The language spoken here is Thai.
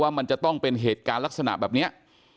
ว่ามันจะต้องเป็นเหตุการณ์ลักษณะแบบนี้